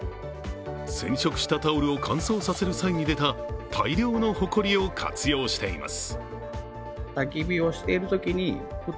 染色したタオルを乾燥させる際に出た大量のほこりを活用しています。